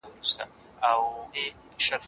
د اسلام دین د تیارو په وړاندي ډېوه ده.